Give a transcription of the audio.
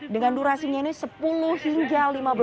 dengan durasinya ini sepuluh hingga lima belas menit